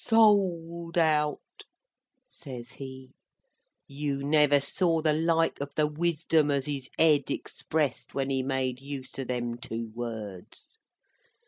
"SOLD OUT!" says he. You never saw the like of the wisdom as his Ed expressed, when he made use of them two words.